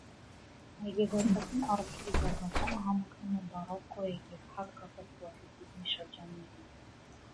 Այգեգործական արվեստի զարգացումը համընկնում է բարոկկոյի և հատկապես կլասիցիզմի շրջաններին։